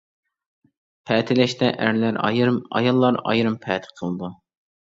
پەتىلەشتە ئەرلەر ئايرىم، ئاياللار ئايرىم پەتە قىلىدۇ.